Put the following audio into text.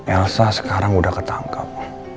elsa sekarang udah ketangkep